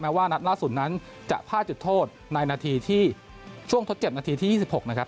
ว่านัดล่าสุดนั้นจะพลาดจุดโทษในนาทีที่ช่วงทดเจ็บนาทีที่๒๖นะครับ